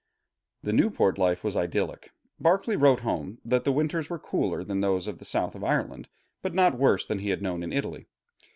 The Newport life was idyllic. Berkeley wrote home that the winters were cooler than those of the South of Ireland, but not worse than he had known in Italy.